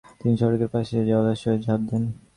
একপর্যায়ে মোটরসাইকেল ফেলে তিনি সড়কের পাশের জলাশয়ে ঝাঁপ দেন।